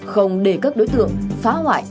không để các đối tượng phá hoại